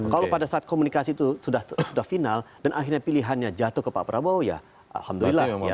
kalau pada saat komunikasi itu sudah final dan akhirnya pilihannya jatuh ke pak prabowo ya alhamdulillah